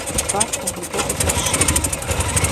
Твар у глыбокіх маршчынах.